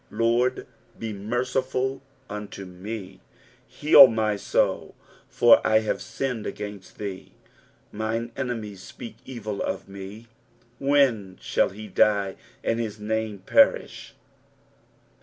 Lord, be merciful unto me : heal my soul ; for I have sinned against thee. 5 Mine enemies speak evil of me, When shall he die, and his name perish